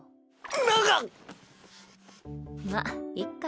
なっ⁉まっいっか。